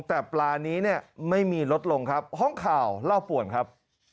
แต่ปลานี้เนี่ยไม่มีลดลงครับห้องข่าวเล่าป่วนครับ